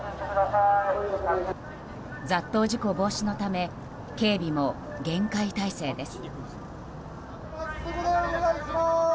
雑踏事故防止のため警備も厳戒態勢です。